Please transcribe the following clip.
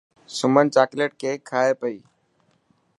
سمن چاڪليٽ ڪيڪ کائي پئي.